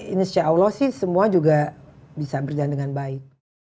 insya allah sih semua juga bisa berjalan dengan baik